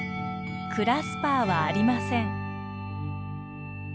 クラスパーはありません。